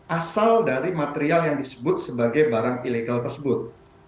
asal dari material yang sifatnya ilegal tersebut